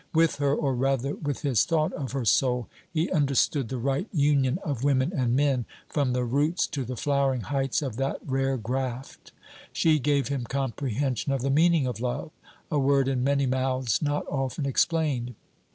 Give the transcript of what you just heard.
With her, or rather with his thought of her soul, he understood the right union of women and men, from the roots to the flowering heights of that rare graft. She gave him comprehension of the meaning of love: a word in many mouths, not often explained.